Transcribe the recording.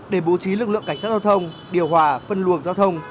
để bố trí lực lượng cảnh sát giao thông điều hòa phân luồng giao thông